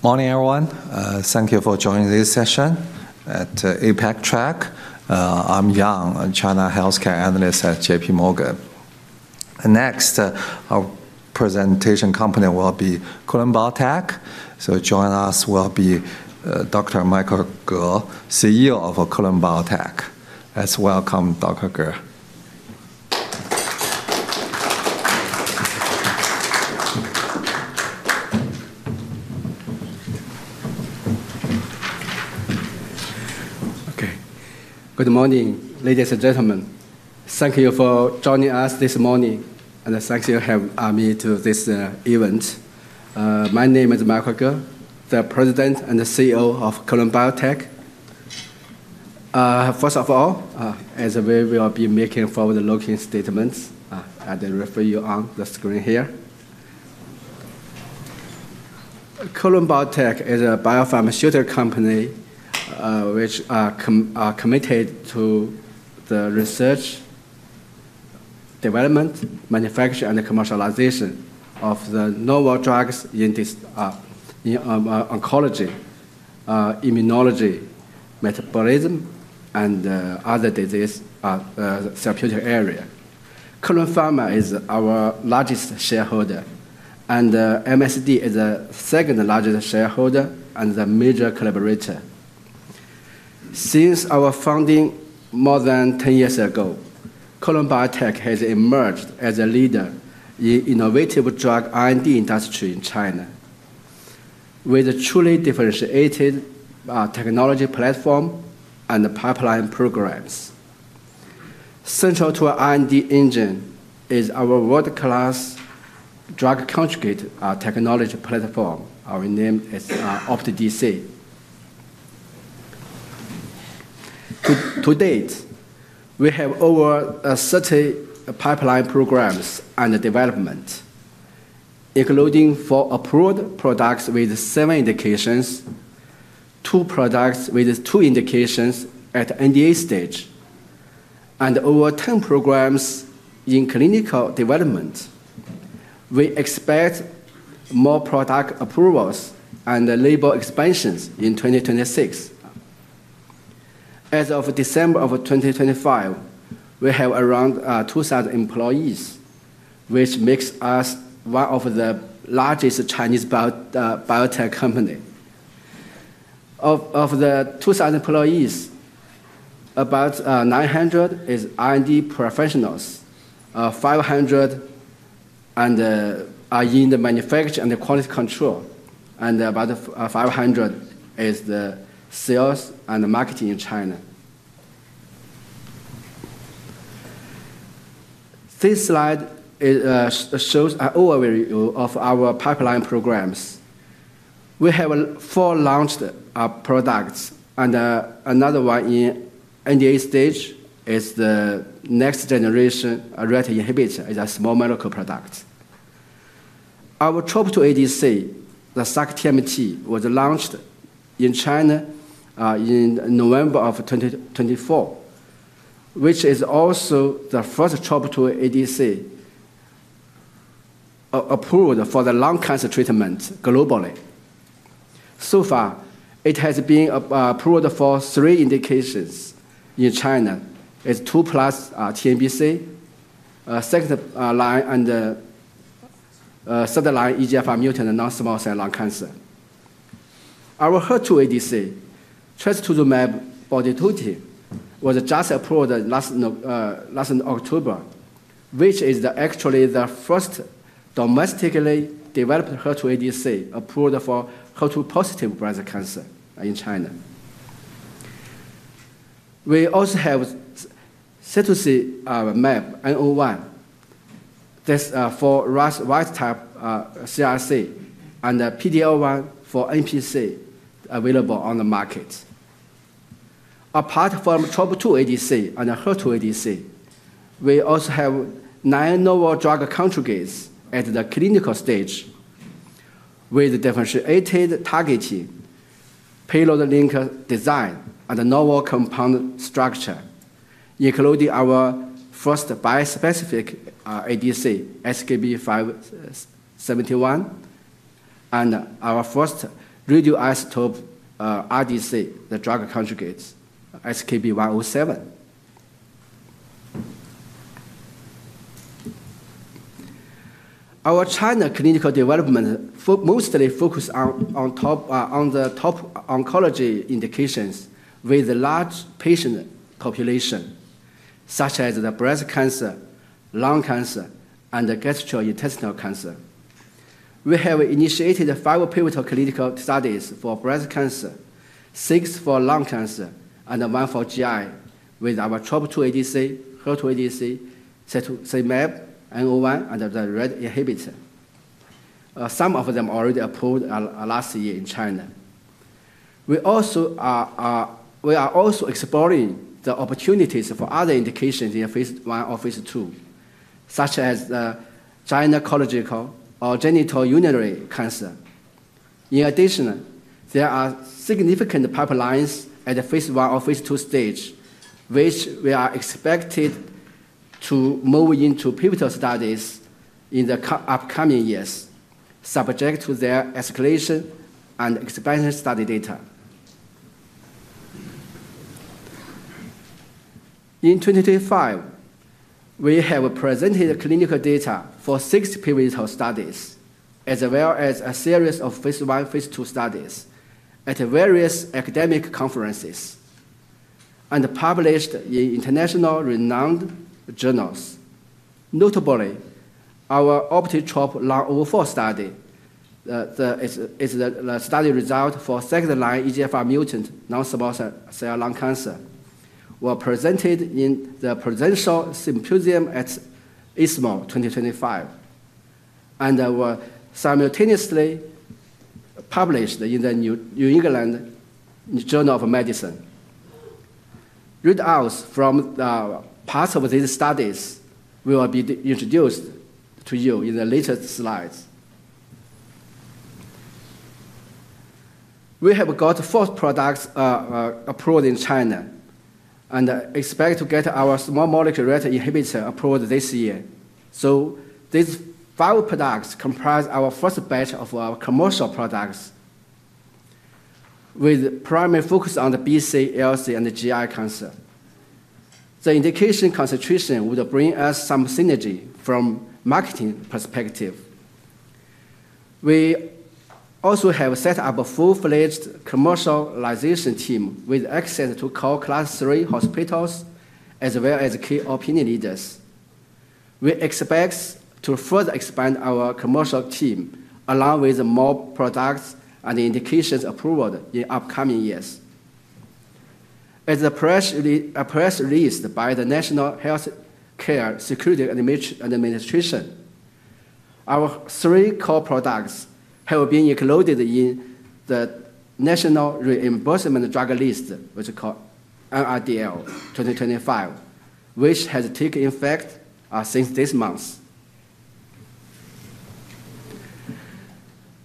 Morning, everyone. Thank you for joining this session at APAC Track. I'm Yang, a China Healthcare Analyst at JPMorgan. Next, our presentation company will be Kelun-Biotech. So joining us will be Dr. Michael Ge, CEO of Kelun-Biotech. Let's welcome Dr. Ge. Okay. Good morning, ladies and gentlemen. Thank you for joining us this morning, and thank you for having me to this event. My name is Michael Ge, the President and the CEO of Kelun-Biotech. First of all, as we will be making forward-looking statements, I'll refer you on the screen here. Kelun-Biotech is a biopharmaceutical company which is committed to the research, development, manufacturing, and commercialization of the novel drugs in oncology, immunology, metabolism, and other disease therapeutic areas. Kelun Pharmaceutical is our largest shareholder, and MSD is the second largest shareholder and the major collaborator. Since our founding more than 10 years ago, Kelun-Biotech has emerged as a leader in the innovative drug R&D industry in China, with a truly differentiated technology platform and pipeline programs. Central to our R&D engine is our world-class drug-conjugate technology platform, renamed as OptiDC. To date, we have over 30 pipeline programs and developments, including four approved products with seven indications, two products with two indications at the NDA stage, and over 10 programs in clinical development. We expect more product approvals and label expansions in 2026. As of December 2024, we have around 2,000 employees, which makes us one of the largest Chinese biotech companies. Of the 2,000 employees, about 900 are R&D professionals, 500 are in the manufacturing and quality control, and about 500 are in sales and marketing in China. This slide shows an overview of our pipeline programs. We have four launched products, and another one in the NDA stage is the next-generation RET inhibitor as a small molecule product. Our TROP2 ADC, the sac-TMT, was launched in China in November of 2024, which is also the first TROP2 ADC approved for lung cancer treatment globally. So far, it has been approved for three indications in China: 2L+ TNBC, second line and third line EGFR mutant, and non-small cell lung cancer. Our HER2-ADC, trastuzumab botidotecan, was just approved last October, which is actually the first domestically developed HER2-ADC approved for HER2-positive breast cancer in China. We also have Cetuximab in 1L, this for RAS wild-type CRC, and PD-L1 for NPC available on the market. Apart from TROP2 ADC and HER2-ADC, we also have nine novel drug conjugates at the clinical stage with differentiated targeting, payload link design, and a novel compound structure, including our first bispecific ADC, SKB571, and our first radioisotope RDC, the drug conjugate, SKB107. Our China clinical development mostly focuses on the top oncology indications with a large patient population, such as breast cancer, lung cancer, and gastrointestinal cancer. We have initiated five pivotal clinical studies for breast cancer, six for lung cancer, and one for GI, with our TROP2 ADC, HER2-ADC, Cetuximab in 1L, and the RET inhibitor. Some of them were already approved last year in China. We are also exploring the opportunities for other indications in Phase 1 or Phase 2, such as gynecological or genitourinary cancer. In addition, there are significant pipelines at the Phase 1 or Phase 2 stage, which we are expected to move into pivotal studies in the upcoming years, subject to their escalation and expansion study data. In 2025, we have presented clinical data for six pivotal studies, as well as a series of Phase 1 and Phase 2 studies at various academic conferences and published in international renowned journals. Notably, our OptiTROP-Lung04 study is the study result for second-line EGFR mutant, non-small cell lung cancer. We presented it in the Presidential Symposium at ESMO 2024 and were simultaneously published in the New England Journal of Medicine. Read-outs from parts of these studies will be introduced to you in the later slides. We have got four products approved in China and expect to get our small molecule RET inhibitor approved this year. So these five products comprise our first batch of our commercial products, with primary focus on the BC, LC, and GI cancer. The indication concentration will bring us some synergy from a marketing perspective. We also have set up a full-fledged commercialization team with access to Class III hospitals, as well as key opinion leaders. We expect to further expand our commercial team along with more products and indications approved in upcoming years. As per press release by the National Healthcare Security Administration, our three core products have been included in the National Reimbursement Drug List, which is called NRDL 2025, which has taken effect since this month.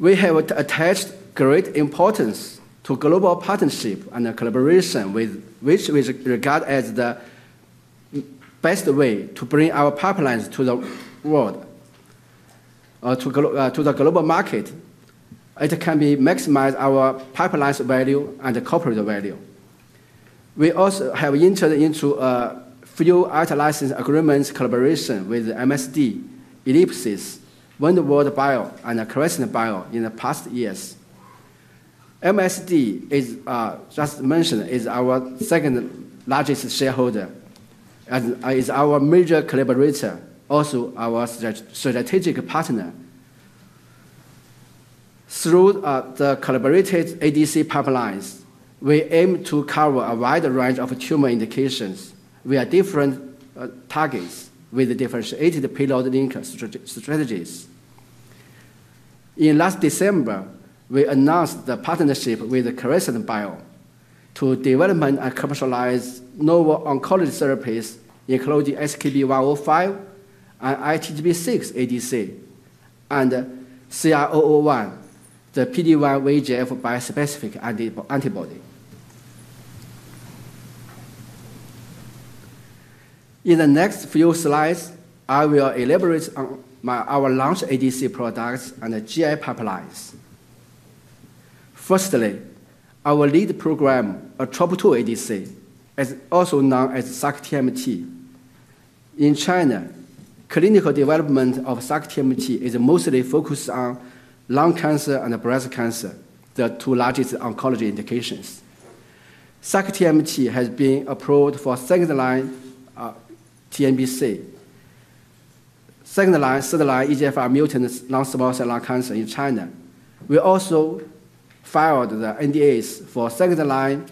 We have attached great importance to global partnership and collaboration, which we regard as the best way to bring our pipelines to the world, to the global market. It can maximize our pipeline's value and corporate value. We also have entered into a few out-license agreements collaboration with MSD, Ellipses, Windward Bio, and Crescent Biopharma in the past years. MSD, as just mentioned, is our second largest shareholder and is our major collaborator, also our strategic partner. Through the collaborated ADC pipelines, we aim to cover a wide range of tumor indications via different targets with differentiated payload link strategies. In last December, we announced the partnership with Ellipses Pharma to develop and commercialize novel oncology therapies, including SKB105 and ITGB6 ADC and CP-101, the PD-1 VEGF bispecific antibody. In the next few slides, I will elaborate on our launch ADC products and GI pipelines. Firstly, our lead program, a TROP2 ADC, is also known as sac-TMT. In China, clinical development of sac-TMT is mostly focused on lung cancer and breast cancer, the two largest oncology indications. Sac-TMT has been approved for second-line TNBC, second-line, third-line EGFR mutants, non-small cell lung cancer in China. We also filed the NDAs for second-line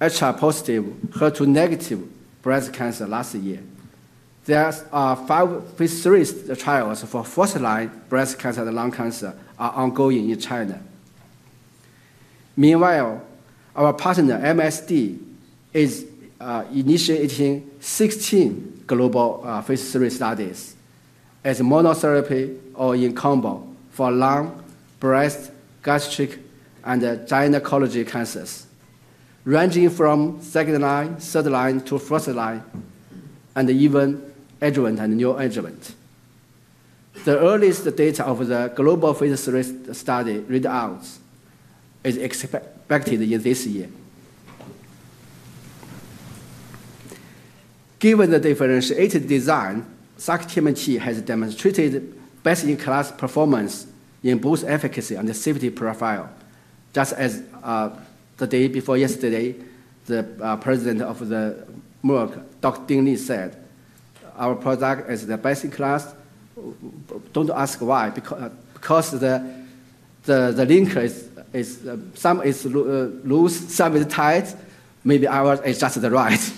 HR positive, HER2 negative breast cancer last year. There are five Phase 3 trials for first-line breast cancer and lung cancer ongoing in China. Meanwhile, our partner, MSD, is initiating 16 global Phase 3 studies as monotherapy or in combo for lung, breast, gastric, and gynecology cancers, ranging from second-line, third-line, to first-line, and even adjuvant and neoadjuvant. The earliest data of the global Phase 3 study readouts is expected this year. Given the differentiated design, sac-TMT has demonstrated best-in-class performance in both efficacy and safety profile. Just as the day before yesterday, the President of Merck, Dr. Dean Li, said, our product is the best in class. Don't ask why, because the linker is some is loose, some is tight. Maybe ours is just the right.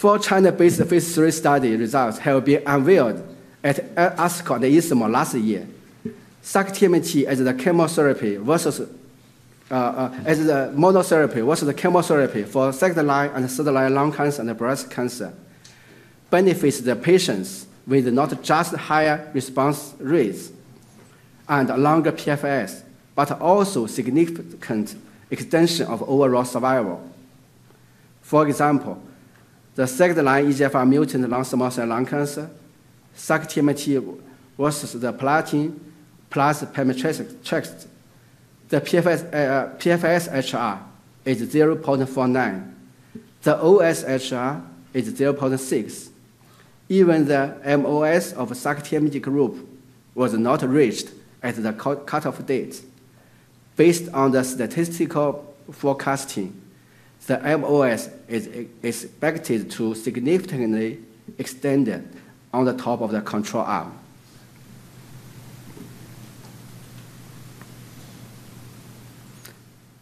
Four China-based Phase 3 study results have been unveiled at ASCO and ESMO last year. Sac-TMT as the chemotherapy versus as the monotherapy versus the chemotherapy for second-line and third-line lung cancer and breast cancer benefits the patients with not just higher response rates and longer PFS, but also significant extension of overall survival. For example, the second-line EGFR mutant non-small cell lung cancer, sac-TMT versus the platinum plus pemetrexed, the PFS HR is 0.49. The OS HR is 0.6. Even the MOS of sac-TMT group was not reached at the cut-off date. Based on the statistical forecasting, the MOS is expected to significantly extend on the top of the control arm.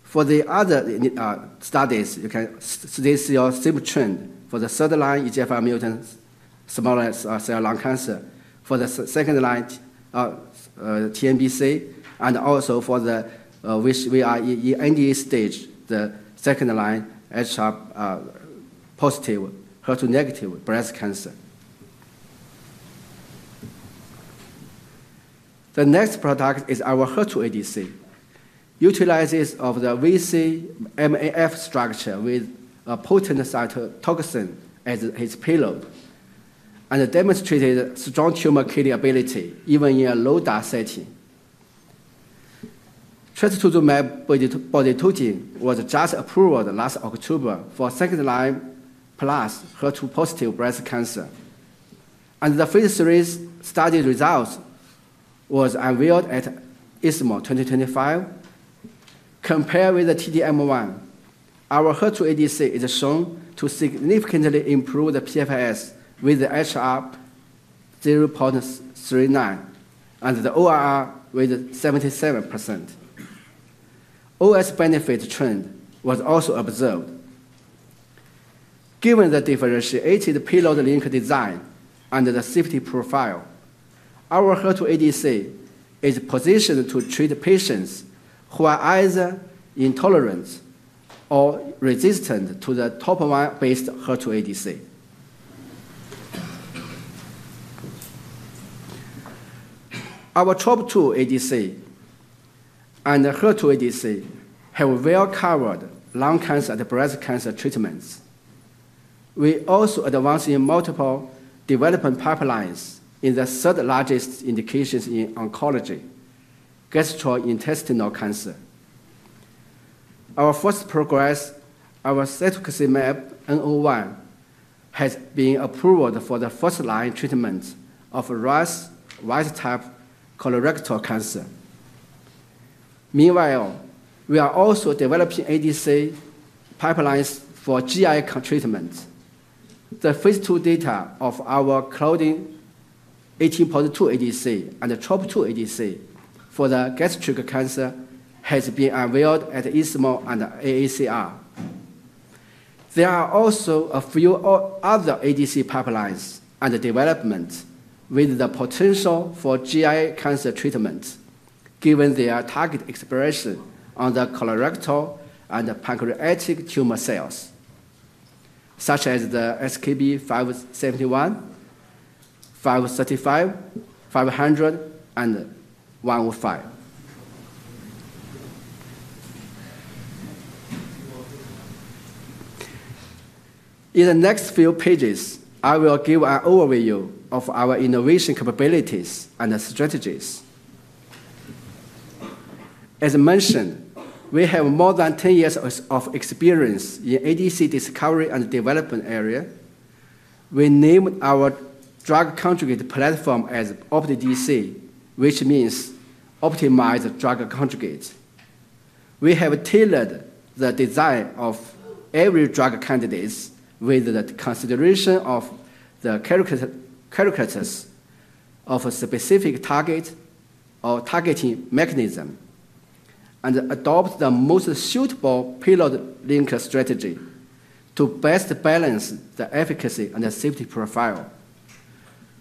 For the other studies, you can see a steep trend for the third-line EGFR mutant non-small cell lung cancer, for the second-line TNBC, and also for the NDA stage, the second-line HR positive, HER2 negative breast cancer. The next product is our HER2-ADC, utilizes the VC-MMAF structure with a potent cytotoxin as its payload and demonstrated strong tumor killing ability even in a low-dose setting. Trastuzumab botidotecan was just approved last October for second-line plus HER2-positive breast cancer. The Phase 3 study results were unveiled at ESMO 2025. Compared with the T-DM1, our HER2-ADC is shown to significantly improve the PFS with the HR 0.39 and the ORR with 77%. OS benefit trend was also observed. Given the differentiated payload link design and the safety profile, our HER2-ADC is positioned to treat patients who are either intolerant or resistant to the T-DM1-based HER2-ADC. Our TROP2 ADC and HER2-ADC have well-covered lung cancer and breast cancer treatments. We also advance in multiple development pipelines in the third-largest indications in oncology, gastrointestinal cancer. Our first progress, our Cetuximab in 1L, has been approved for the first-line treatment of RAS wild-type colorectal cancer. Meanwhile, we are also developing ADC pipelines for GI treatment. The Phase 2 data of our Claudin 18.2 ADC and TROP2 ADC for the gastric cancer has been unveiled at ESMO and AACR. There are also a few other ADC pipelines and developments with the potential for GI cancer treatment, given their target expression on the colorectal and pancreatic tumor cells, such as the SKB-571, 535, 500, and 105. In the next few pages, I will give an overview of our innovation capabilities and strategies. As mentioned, we have more than 10 years of experience in ADC discovery and development area. We named our drug conjugate platform as OptiDC, which means optimized drug conjugate. We have tailored the design of every drug candidate with the consideration of the characteristics of a specific target or targeting mechanism and adopt the most suitable payload link strategy to best balance the efficacy and the safety profile.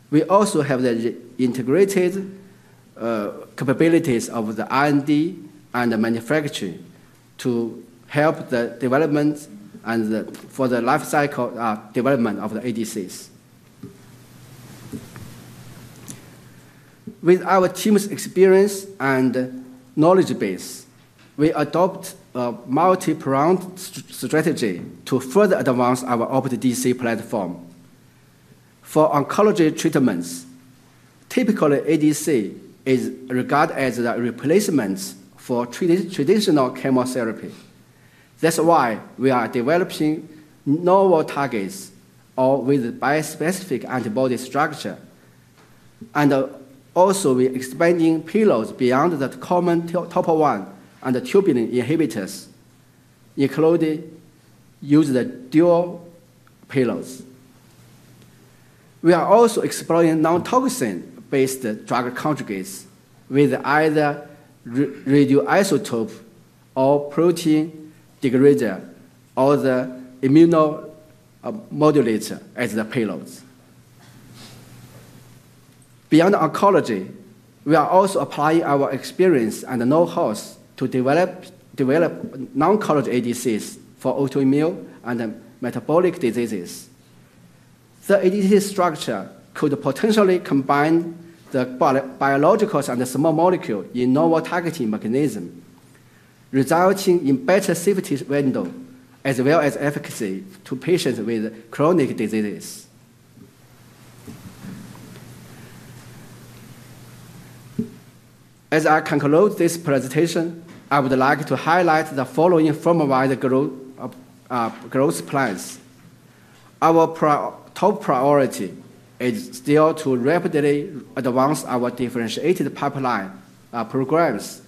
We also have the integrated capabilities of the R&D and manufacturing to help the development and for the life cycle development of the ADCs. With our team's experience and knowledge base, we adopt a multi-pronged strategy to further advance our OptiDC platform. For oncology treatments, typically ADC is regarded as a replacement for traditional chemotherapy. That's why we are developing novel targets or with bispecific antibody structure. And also, we are expanding payloads beyond the common top one and tubulin inhibitors, including using the dual payloads. We are also exploring non-toxin-based drug conjugates with either radioisotope or protein degrader, or the immunomodulator as the payloads. Beyond oncology, we are also applying our experience and know-how to develop non-onco ADCs for autoimmune and metabolic diseases. The ADC structure could potentially combine the biologicals and small molecules in novel targeting mechanism, resulting in better safety window as well as efficacy to patients with chronic diseases. As I conclude this presentation, I would like to highlight the following formalized growth plans. Our top priority is still to rapidly advance our differentiated pipeline programs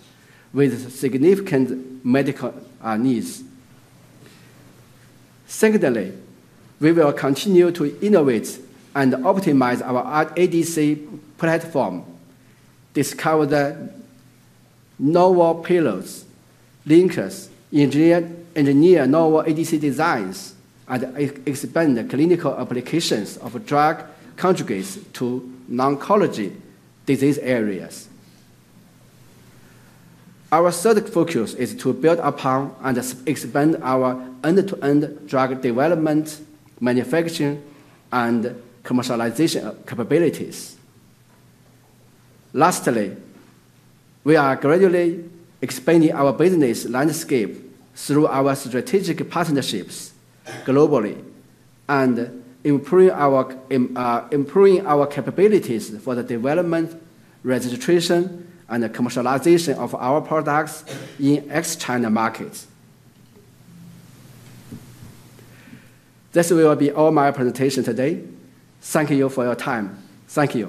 with significant medical needs. Secondly, we will continue to innovate and optimize our ADC platform, discover the novel payloads, linkers, engineer novel ADC designs, and expand the clinical applications of drug conjugates to non-oncology disease areas. Our third focus is to build upon and expand our end-to-end drug development, manufacturing, and commercialization capabilities. Lastly, we are gradually expanding our business landscape through our strategic partnerships globally and improving our capabilities for the development, registration, and commercialization of our products in ex-China markets. This will be all my presentation today. Thank you for your time. Thank you.